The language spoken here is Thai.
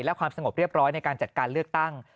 และความสงบเรียบร้อยในการจัดการเลือกตั้ง